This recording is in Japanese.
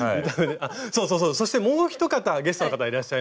そうそうそうそしてもう一方ゲストの方いらっしゃいます。